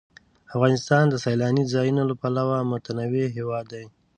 افغانستان د سیلاني ځایونو له پلوه متنوع هېواد دی.